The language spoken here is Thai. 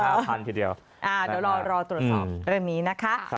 พันทีเดียวเดี๋ยวรอตรวจสอบเรื่องนี้นะคะ